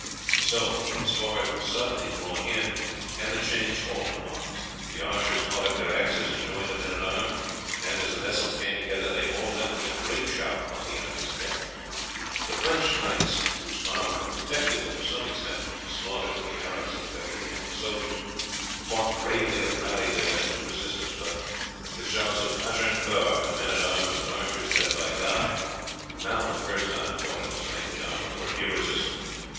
So the spars were suddenly drawn in and the chains hauled upon. The archers caught up their axes and joined the men at arms, and as the vessels came together they all leapt with a great shout upon the enemy's deck. The French knights, whose armour had protected them to some extent from the slaughter that the arrows had effected among the soldiers, fought bravely and rallied their men to resistance; but with shouts of "Agincourt!" the men at arms and archers, led by Guy, who now for the first time fought in his knightly armour, were irresistible.